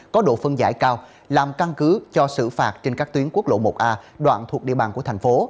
có độ phân giải cao làm căn cứ cho xử phạt trên các tuyến quốc lộ một a đoạn thuộc địa bàn của thành phố